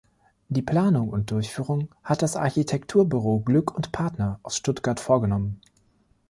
Die Planung und Durchführung hat das Architekturbüro Glück und Partner aus Stuttgart vorgenommen.